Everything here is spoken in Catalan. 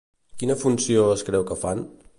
Quina funció es creu que fan?